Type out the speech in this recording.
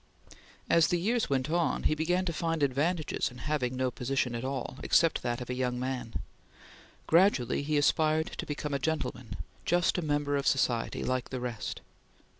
As the years went on, he began to find advantages in having no position at all except that of young man. Gradually he aspired to become a gentleman; just a member of society like the rest.